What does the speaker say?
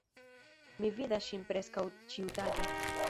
Mi vidas ŝin preskaŭ ĉiutage.